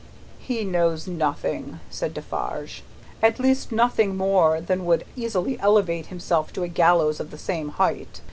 "He knows nothing," said Defarge; "at least nothing more than would easily elevate himself to a gallows of the same height.